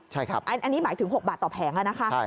ใช่ครับอันนี้หมายถึง๖บาทต่อแผงนะคะ